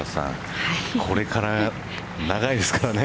これから長いですからね。